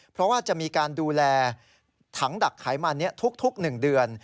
เพราะว่าจะมีการดูแลถังดักไขมันนี้ทุก๑เดือน